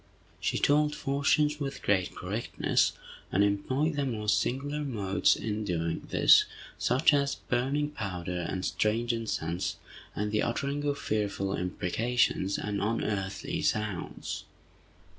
She told fortunes with great correctness, and employed the most singular modes in doing this, such as burning powder and strange incense, and the uttering of fearful imprecations, and unearthly sounds.